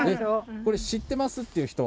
これ知ってますっていう人は？